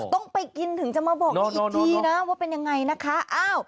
ต้องไปกินถึงจะมาบอกได้อีกทีนะว่าเป็นยังไงนะคะ